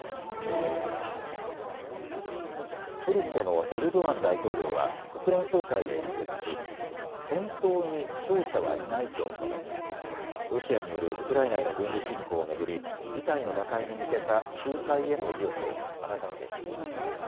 トルコのエルドアン大統領は国連総会で演説し戦争に勝者はいないと述べ、ロシアによるウクライナへの軍事侵攻を巡り事態の打開に向けた仲介への意欲を改めて示しました。